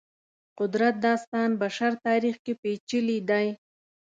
قدرت داستان بشر تاریخ کې پېچلي دی.